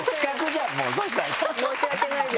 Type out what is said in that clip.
申し訳ないです。